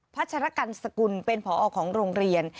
พัชรกรรณสกลเป็นพอของโรงเรียน